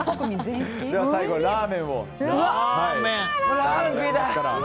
最後、ラーメンを。